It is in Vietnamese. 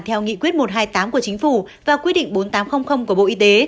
theo nghị quyết một trăm hai mươi tám của chính phủ và quy định bốn nghìn tám trăm linh của bộ y tế